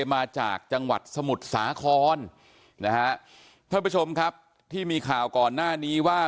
มาจากจังหวัดสมุทรสาครนะฮะท่านผู้ชมครับที่มีข่าวก่อนหน้านี้ว่า